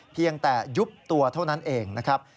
เพียงแต่ยุบตัวเท่านั้นเองนะครับ